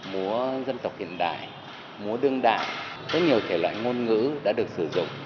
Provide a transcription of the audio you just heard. múa dân tộc hiện đại múa đương đại rất nhiều thể loại ngôn ngữ đã được sử dụng